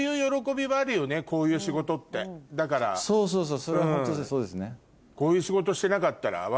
そうそうそうそれはホントにそうですね。